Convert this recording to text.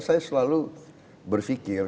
saya selalu berpikir